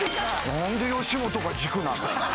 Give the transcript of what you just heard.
何で吉本が軸なの？